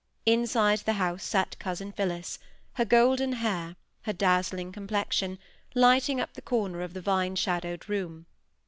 Inside the house sate cousin Phillis, her golden hair, her dazzling complexion, lighting up the corner of the vine shadowed room.